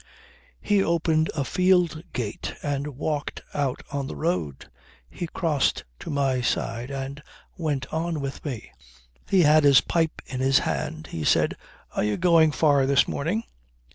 "He opened a field gate and walked out on the road. He crossed to my side and went on with me. He had his pipe in his hand. He said: 'Are you going far this morning?'"